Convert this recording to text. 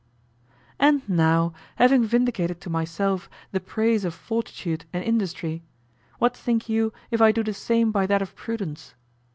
And now, having vindicated to myself the praise of fortitude and industry, what think you if I do the same by that of prudence?